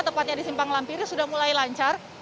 tepatnya di simpang lampiri sudah mulai lancar